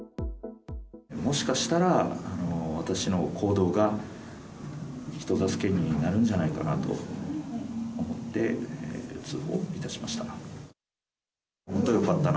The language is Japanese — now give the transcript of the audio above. もしかしたら、私の行動が、人助けになるんじゃないかなと思って、通報いたしました。